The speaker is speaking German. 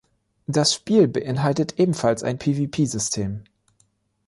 Das Spiel beinhaltet ebenfalls ein PvP-System.